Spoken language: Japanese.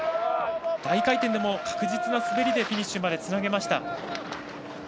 大回転でも確実な滑りでフィニッシュまでつなげました。